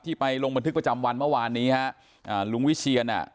ไปลงบันทึกประจำวันเมื่อวานนี้ฮะอ่าลุงวิเชียนอ่ะ